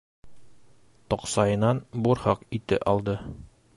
Тоҡсайынан бурһыҡ ите алды.